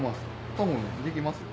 多分できますよ。